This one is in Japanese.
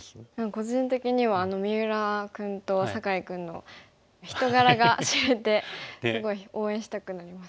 個人的には三浦君と酒井君の人柄が知れてすごい応援したくなりました。